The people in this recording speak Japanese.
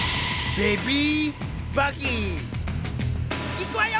行くわよ！